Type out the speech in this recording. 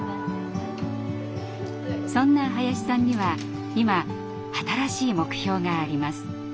そんな林さんには今新しい目標があります。